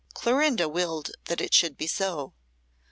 Clorinda willed that it should be so.